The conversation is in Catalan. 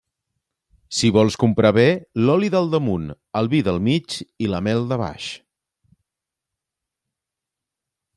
Si vols comprar bé, l'oli del damunt, el vi del mig i la mel de baix.